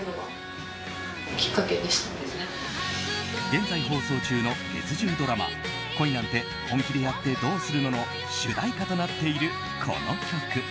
現在放送中の月１０ドラマ「恋なんて、本気でやってどうするの？」の主題歌となっているこの曲。